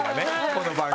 この番組。